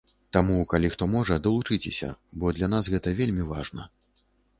Таму, калі хто можа, далучыцеся, бо для нас гэта вельмі важна.